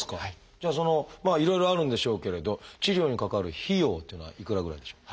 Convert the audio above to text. じゃあいろいろあるんでしょうけれど治療にかかる費用っていうのはいくらぐらいでしょう？